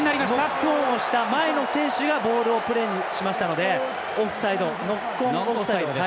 ノックオンをした前の選手がボールをプレーしましたのでノックオンオフサイド。